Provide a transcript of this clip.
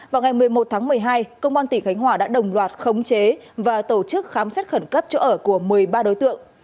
vào ngày một mươi một tháng một mươi hai công an tỉnh khánh hòa đã đồng loạt khống chế và tổ chức khám xét khẩn cấp chỗ ở của một mươi ba đối tượng